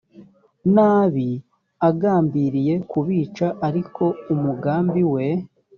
nabi agambiriye kubica ariko umugambi we